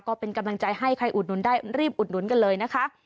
ก็เป็นกำลังใจให้ใครอุดหนุนได้รีบอุดหนุนกันเลยนะคะ